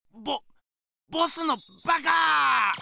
ボボスのバカー！